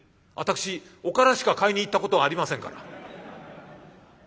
私おからしか買いに行ったことありませんから」。